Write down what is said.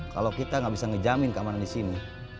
kalau kita nggak bisa ngejamin keamanan di sini